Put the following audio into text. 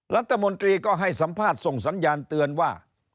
รัฐมนตรีก็ให้สัมภาษณ์ส่งสัญญาณเตือนว่า